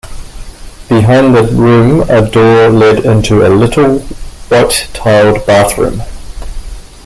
Behind the room a door led into a little white-tiled bathroom.